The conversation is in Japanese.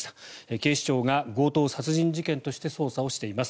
警視庁が強盗殺人事件として捜査をしています。